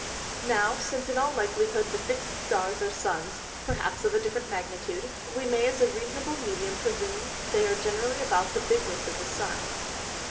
Now, since in all likelyhood the fix'd Stars are Suns, (perhaps of a different Magnitude) we may as a reasonable Medium presume they are generally about the bigness of the Sun.